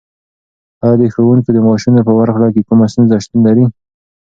ایا د ښوونکو د معاشونو په ورکړه کې کومه ستونزه شتون لري؟